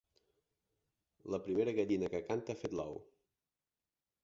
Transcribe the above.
La primera gallina que canta ha fet l'ou.